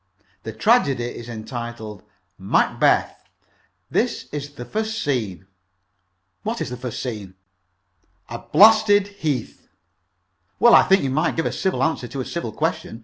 The tragedy is entitled 'Macbeth.' This is the first scene." "What is the first scene?" "A blasted heath." "Well, I think you might give a civil answer to a civil question.